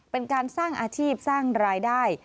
เป็นการสร้างอาชีพสร้างรายได้